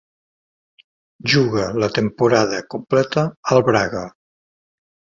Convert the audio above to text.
Jugà la temporada completa al Braga.